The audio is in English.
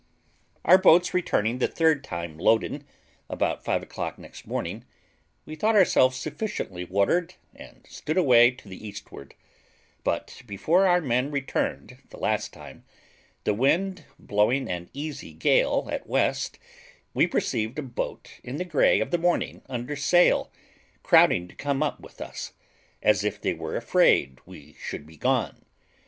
Our boats returning the third time loaden, about five o'clock next morning, we thought ourselves sufficiently watered, and stood away to the eastward; but, before our men returned the last time, the wind blowing an easy gale at west, we perceived a boat in the grey of the morning under sail, crowding to come up with us, as if they were afraid we should be gone.